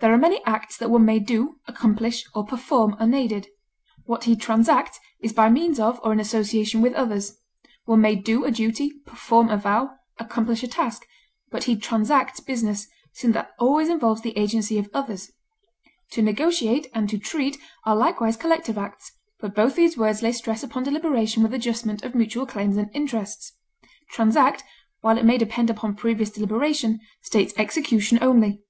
There are many acts that one may do, accomplish, or perform unaided; what he transacts is by means of or in association with others; one may do a duty, perform a vow, accomplish a task, but he transacts business, since that always involves the agency of others. To negotiate and to treat are likewise collective acts, but both these words lay stress upon deliberation with adjustment of mutual claims and interests; transact, while it may depend upon previous deliberation, states execution only.